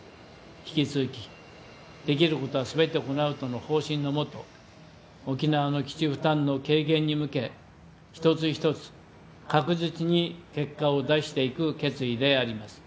引き続き、できることはすべて行うとの方針のもと沖縄の基地負担の軽減に向け一つ一つ、確実に結果を出していく決意であります。